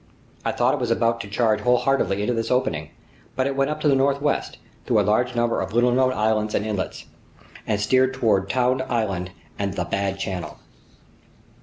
I thought it was about to charge wholeheartedly into this opening, but it went up to the northwest, through a large number of little known islands and islets, and steered toward Tound Island and the Bad Channel.